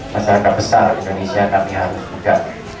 masyarakat besar indonesia kami harus buddha